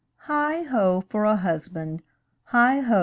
Heigh ho! for a husband! Heigh ho!